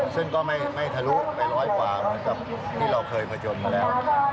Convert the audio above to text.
ซึ่งก็ไม่ทะลุไปร้อยกว่าเหมือนกับที่เราเคยผจญมาแล้ว